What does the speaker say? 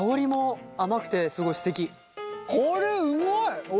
これうまい！